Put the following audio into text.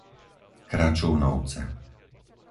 Kračúnovce